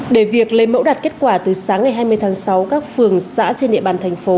để việc lấy mẫu đạt kết quả từ sáng ngày hai mươi tháng sáu các phường xã trên địa bàn thành phố